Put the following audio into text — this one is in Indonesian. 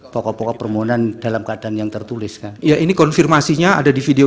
pokok pokok permohonan dalam keadaan yang tertuliskan ya ini konfirmasinya ada di video